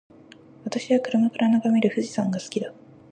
私は車から眺める富士山が好きだ。